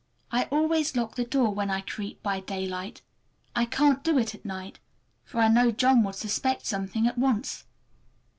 I always lock the door when I creep by daylight. I can't do it at night, for I know John would suspect something at once.